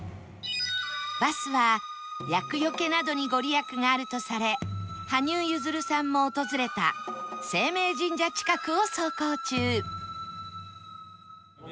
バスは厄よけなどに御利益があるとされ羽生結弦さんも訪れた晴明神社近くを走行中